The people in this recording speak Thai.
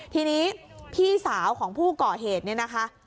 ทีนี้พี่สาวของผู้ก่อเหตุเนี่ยนะคะ